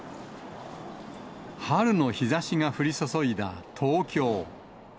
春の日ざしが降り注いだ東京。